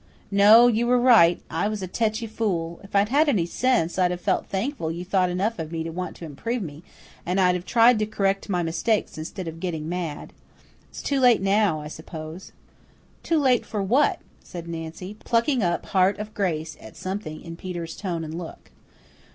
"No, you were quite right. I was a tetchy fool. If I'd had any sense, I'd have felt thankful you thought enough of me to want to improve me, and I'd have tried to kerrect my mistakes instead of getting mad. It's too late now, I suppose." "Too late for what?" said Nancy, plucking up heart of grace at something in Peter's tone and look.